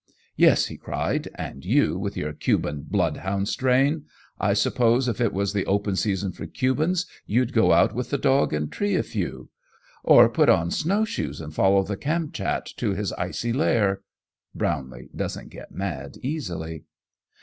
"Yes!" he cried. "And you, with your Cuban bloodhound strain! I suppose if it was the open season for Cubans, you'd go out with the dog and tree a few! Or put on snowshoes and follow the Kamtchat to his icy lair!" Brownlee doesn't get mad easily.